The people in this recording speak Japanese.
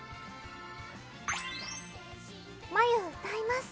まゆ、歌います。